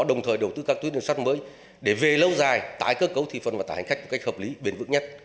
đồng thời đầu tư các tuyến đường sắt mới để về lâu dài tải cơ cấu thị phần và tải hành khách một cách hợp lý bền vực nhất